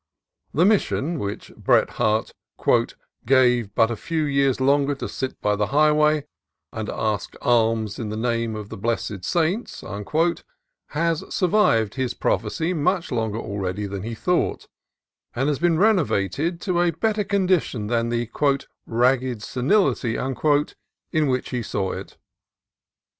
The Mission, which Bret Harte "gave but a few years longer to sit by the highway and ask alms in the name of the blessed saints," has survived his pro phecy much longer already than he thought, and has been renovated to a better condition than the "ragged senility" in which he saw it.